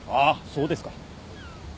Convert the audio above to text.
そうですか。